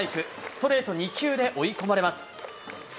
ストレート２球で追い込まれます。